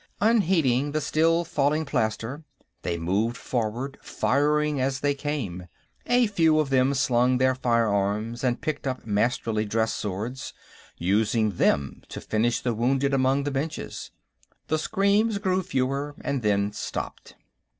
Unheeding the still falling plaster, they moved forward, firing as they came. A few of them slung their firearms and picked up Masterly dress swords, using them to finish the wounded among the benches. The screams grew fewer, and then stopped.